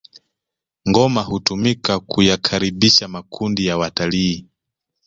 ngoma hutumika kuyakaribisha makundi ya watalii